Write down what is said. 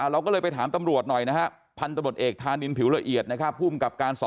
เราก็เลยไปถามตำรวจหน่อยนะคะ